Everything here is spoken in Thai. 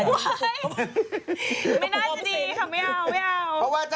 ไม่น่าจะดีครับไม่เอา